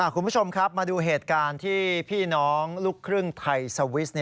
คุณผู้ชมครับมาดูเหตุการณ์ที่พี่น้องลูกครึ่งไทยสวิส